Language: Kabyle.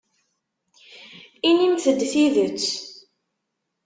Inimt-d tidet.